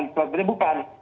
sebuah penyebaran bukan